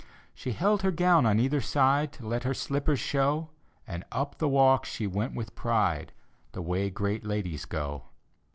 She held her ^wn on either side To let her slippers show. And up the walk she went with pride, The way great ladies go.